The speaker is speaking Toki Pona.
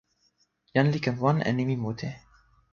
jan li ken wan e nimi mute.